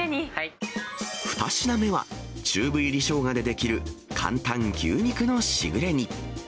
２品目は、チューブ入りしょうがでできる簡単牛肉のしぐれ煮。